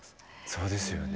そうですよね。